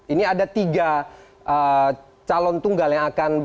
ini ada tiga